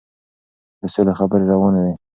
د سولې خبرې روانې وې.